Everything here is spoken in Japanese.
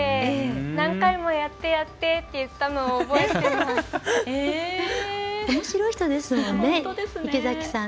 何回もやって、やって！って言ったのを覚えています。